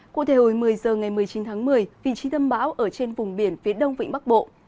cụ thể hồi một mươi h ngày một mươi chín tháng một mươi vị trí tâm bão ở trên vùng biển phía đông vịnh bắc bộ